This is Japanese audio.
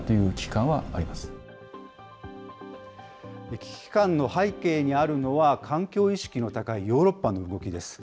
危機感の背景にあるのは、環境意識の高いヨーロッパの動きです。